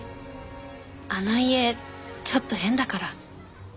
あの家ちょっと変だから。